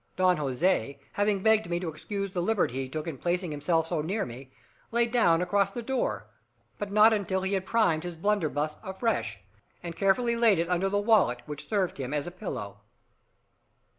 Don Jose, having begged me to excuse the liberty he took in placing himself so near me, lay down across the door, but not until he had primed his blunderbuss afresh and carefully laid it under the wallet, which served him as a pillow.